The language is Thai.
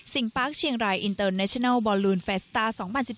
ปาร์คเชียงรายอินเตอร์เนชนัลบอลลูนเฟสตาร์๒๐๑๘